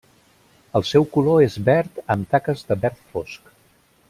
El seu color és verd amb taques de verd fosc.